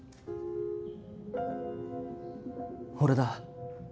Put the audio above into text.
俺だ。